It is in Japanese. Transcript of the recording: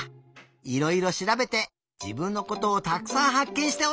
いろいろしらべて自分のことをたくさんはっけんしておいで！